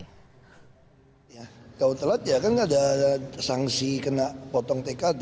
kalau telat ya kan ada sanksi kena potong tkd